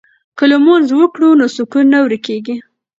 که لمونځ وکړو نو سکون نه ورکيږي.